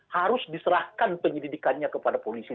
harus diserahkan penyelidikannya kepada polisi